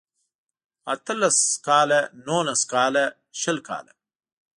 اته لس کاله نولس کاله شل کاله